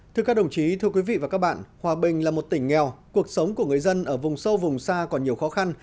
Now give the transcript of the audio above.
thưa các đồng chí thưa quý vị và các bạn hòa bình là một tỉnh nghèo cuộc sống của người dân ở vùng sâu vùng xa còn nhiều khó khăn